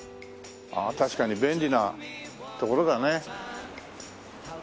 ああ確かに便利な所だね。